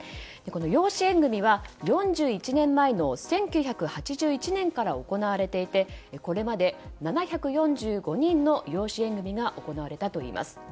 養子縁組は４１年前の１９８１年から行われていてこれまで７４５人の養子縁組が行われたといいます。